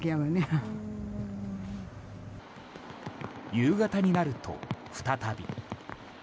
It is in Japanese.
夕方になると再び。